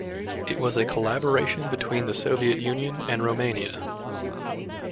It was a collaboration between the Soviet Union and Romania.